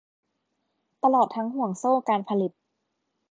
ตลอดทั้งห่วงโซ่การผลิต